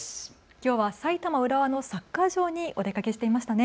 きょうは埼玉浦和のサッカー場にお出かけしていましたね。